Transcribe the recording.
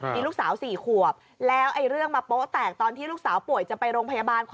มีลูกสาว๔ขวบแล้วเรื่องมาโป๊ะแตก